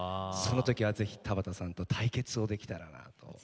その時は是非田畑さんと対決をできたらなと。